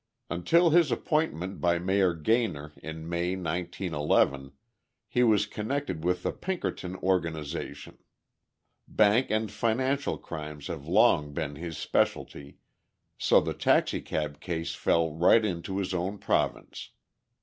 Until his appointment by Mayor Gaynor in May, 1911, he was connected with the Pinkerton organization. Bank and financial crimes have long been his specialty, so the taxicab case fell right into his own province.